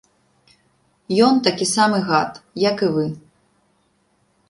Ён такі самы гад, як і вы.